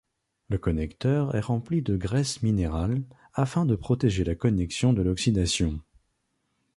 Le connecteur est rempli de graisse minérale, afin de protéger la connexion de l'oxydation.